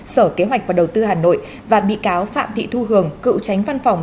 sở kế hoạch và đầu tư hà nội và bị cáo phạm thị thu hường cựu tránh văn phòng